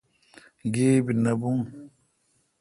گیبی نہ بون۔